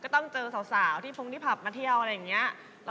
ต้องเจอสาวที่ปรับมาเที่ยวแบบนี้